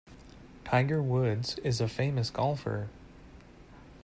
Tiger Woods is a famous golfer.